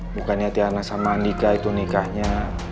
bukannya tiana sama andika itu nikahnya